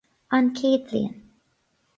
An Chéad Bhliain